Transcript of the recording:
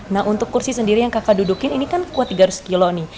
nah untuk kursi sendiri yang kakak dudukin ini kan kuat tiga ratus kilo nih